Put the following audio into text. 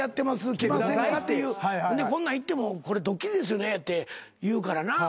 「来ませんか？」っていうこんなん行ってもこれドッキリですよねって言うからな。